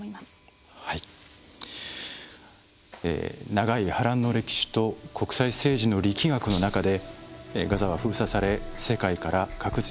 長い波乱の歴史と国際政治の力学の中でガザは封鎖され世界から隔絶されてきました。